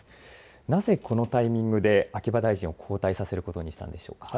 なぜこのタイミングで秋葉大臣を交代させることにしたんでしょうか。